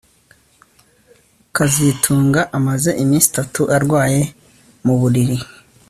kazitunga amaze iminsi itatu arwaye mu buriri